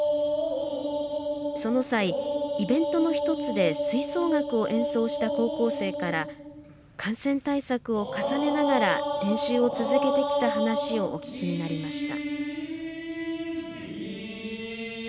その際、イベントの１つで吹奏楽を演奏した高校生から感染対策を重ねながら練習を続けてきた話をお聞きになりました。